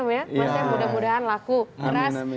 mas iksan mudah mudahan laku keras